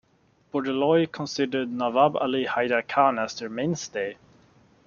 Bordoloi considered Nawab Ali Haider Khan as their mainstay.